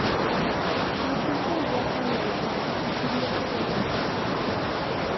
La costa es baja y arenosa, cubierta de dunas.